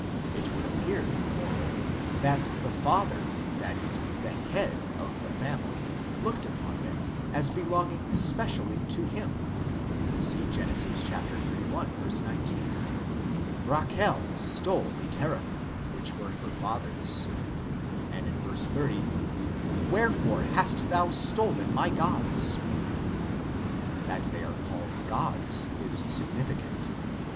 It would appear, moreover, that the father (i.e. the head) of the family looked upon them as belonging especially to him, see Gen. xxxi. 19, " Rachel stole the Teraphim that were her father s "; and in verse 30, " Wherefore hast thou stolen my gods ?" That they are called " gods " is significant.